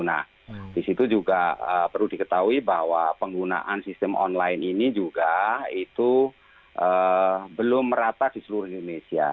nah di situ juga perlu diketahui bahwa penggunaan sistem online ini juga itu belum merata di seluruh indonesia